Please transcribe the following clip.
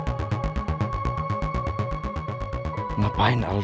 kan ada yang ngikutin gue